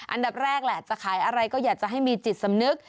อันดับแรกแหละจะขายอะไรก็อยากจะให้มีจิตสำนึก